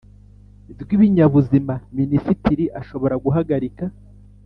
rw ibinyabuzima Minisitiri ashobora guhagarika